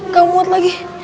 gak muat lagi